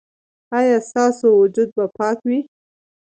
ایا ستاسو وجود به پاک وي؟